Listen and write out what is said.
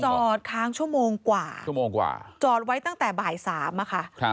จอดค้างชั่วโมงกว่าจอดไว้ตั้งแต่บ่าย๓นะคะ